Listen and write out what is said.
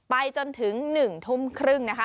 ไปจนถึง๑ทุ่มครึ่งนะคะ